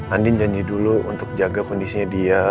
andin janji dulu untuk jaga kondisinya dia